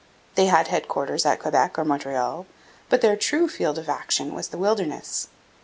They had headquarters at Quebec or Montreal, but their true field of action was the wilderness.